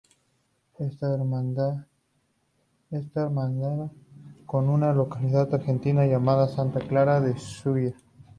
Está hermanada con una localidad argentina llamada Santa Clara de Saguier.